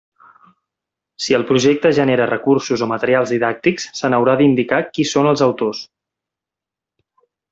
Si el projecte genera recursos o materials didàctics se n'haurà d'indicar qui són els autors.